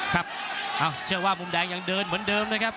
ครับอ้าวเชื่อว่ามุมแดงยังเดินเหมือนเดิมนะครับ